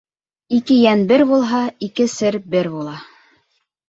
Ике йән бер булһа, ике сер бер була.